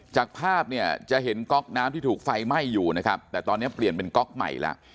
จากภาพเนี่ยจะเห็นก๊อกน้ำที่ถูกไฟไหม้อยู่นะครับแต่ตอนนี้เปลี่ยนเป็นก๊อกใหม่แล้ว